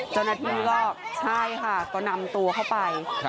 เจ้าหน้าที่ก็ใช่ค่ะก็นำตัวเข้าไป